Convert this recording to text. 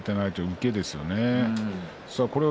受けですよね。